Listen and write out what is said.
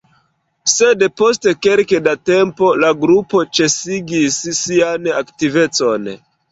Sed, post kelke da tempo la grupo ĉesigis sian aktivecon.